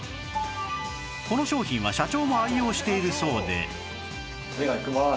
この商品は社長も愛用しているそうで